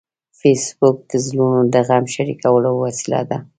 فېسبوک د زړونو د غم شریکولو وسیله ده